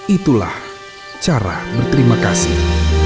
itulah cara berterima kasih